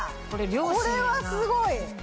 これはすごい！